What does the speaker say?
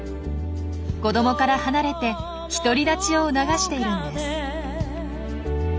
子どもから離れて独り立ちを促しているんです。